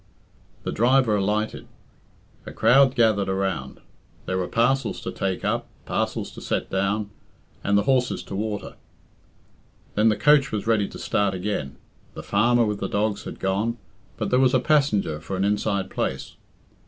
The driver alighted. A crowd gathered around. There were parcels to take up, parcels to set down, and the horses to water. When the coach was ready to start again, the farmer with his dogs had gone, but there was a passenger for an inside place.